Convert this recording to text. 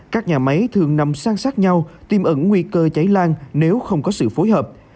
các nhà máy thường nằm sang sát nhau tiêm ẩn nguy cơ cháy lan nếu không có sự phối hợp